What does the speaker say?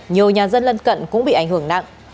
nhiều nhà dân lân cận cũng bị ảnh hưởng nặng